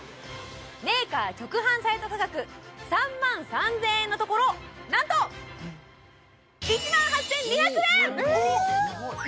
メーカー直販サイト価格３万３０００円のところなんと引きのえっ「引き」？